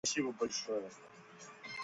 Зегьы-зегь уриааиргьы, сгәыӷра узаиааиуам.